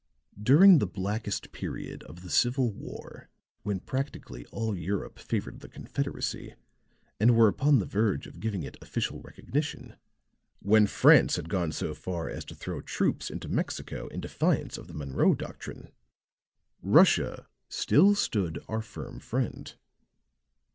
"During the blackest period of the Civil War, when practically all Europe favored the Confederacy and were upon the verge of giving it official recognition; when France had gone so far as to throw troops into Mexico in defiance of the Monroe doctrine, Russia still stood our firm friend.